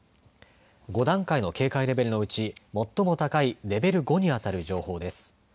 ５段階の警戒レベルのうち最も高いレベル５に当たる情報です。